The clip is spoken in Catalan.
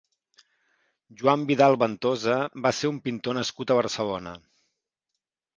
Joan Vidal Ventosa va ser un pintor nascut a Barcelona.